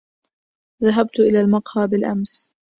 ذهبت إلى المقهى بالأمس.